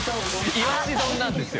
いわし丼なんですよ。